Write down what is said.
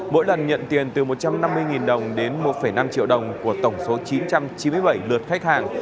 mỗi lần nhận tiền từ một trăm năm mươi đồng đến một năm triệu đồng của tổng số chín trăm chín mươi bảy lượt khách hàng